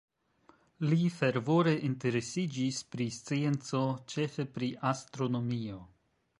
Li fervore interesiĝis pri scienco, ĉefe pri astronomio.